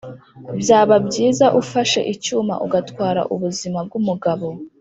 byaba byiza ufashe icyuma ugatwara ubuzima bwumugabo